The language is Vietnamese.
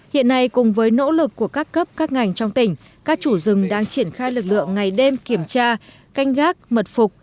hiện nay cùng với nỗ lực của các cấp các ngành trong tỉnh các chủ rừng đang triển khai lực lượng ngày đêm kiểm tra canh gác mật phục